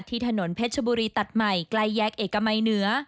ถนนเพชรชบุรีตัดใหม่ใกล้แยกเอกมัยเหนือ